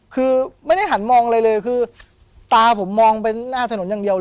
คือไม่ได้หันมองอะไรเลยคือตาผมมองไปหน้าถนนอย่างเดียวเลย